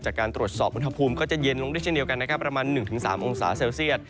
จากการตรวจสอบวุฒิภูมิก็จะเย็นลงได้เช่นเดียวกันนะครับประมาณหนึ่งถึงสามองศาเซลเซียต